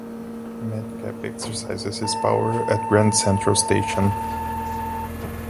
Madcap exercises his power at Grand Central Station.